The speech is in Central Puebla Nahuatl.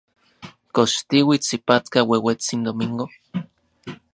¿Kox tiuits ipatka ueuetsin Domingo?